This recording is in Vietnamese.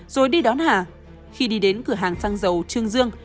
rồi đi đón hà khi đi đến cửa hàng xăng dầu trương dương